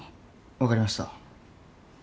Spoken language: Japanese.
分かりました。